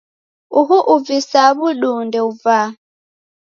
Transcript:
Uhu uvisaa w'uduu ndeuvaa.